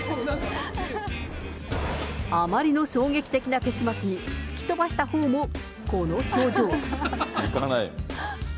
あまりの衝撃的な結末に突き飛ばしたほうもこの表情。